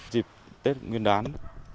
dịp tết nguyên đán